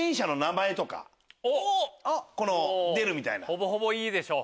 ほぼほぼいいでしょう。